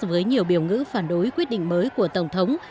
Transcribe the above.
với nhiều biểu ngữ phản đối quyết định mới của tổng thống